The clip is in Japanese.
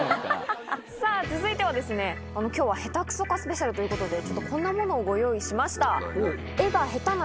さぁ続いては今日はヘタくそか⁉スペシャルということでこんなものをご用意しました。